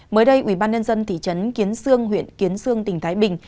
mới đây ubnd thị trấn kiến sương huyện kiến sương tỉnh thái bình